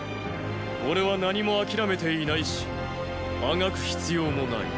俺は何もあきらめていないしあがく必要もない。